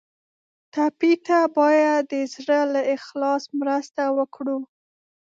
ټپي ته باید د زړه له اخلاص مرسته وکړو.